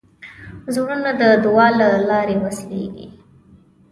زړونه د دعا له لارې وصلېږي.